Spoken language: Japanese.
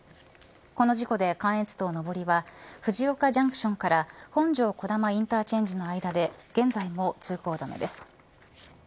この事故で関越道上りは藤岡ジャンクションから本庄児玉インターチェンジの間で現在も通行止めです。